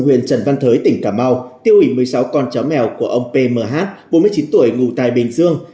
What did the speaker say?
huyền trần văn thới tỉnh cà mau tiêu hủy một mươi sáu con cháu mèo của ông pmh bốn mươi chín tuổi ngụ tài bình dương